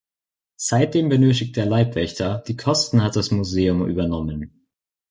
Seitdem benötigt er Leibwächter, die Kosten hat das Museum übernommen.